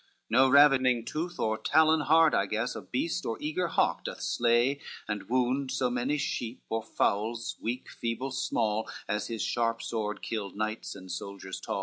No ravening tooth or talon hard I guess Of beast or eager hawk, doth slay and wound So many sheep or fowls, weak, feeble, small, As his sharp sword killed knights and soldiers tall.